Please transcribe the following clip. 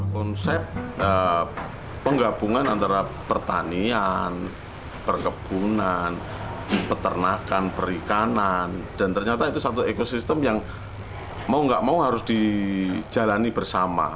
konsep penggabungan antara pertanian perkebunan peternakan perikanan dan ternyata itu satu ekosistem yang mau gak mau harus dijalani bersama